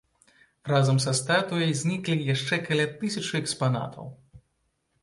Разам са статуяй зніклі яшчэ каля тысячы экспанатаў.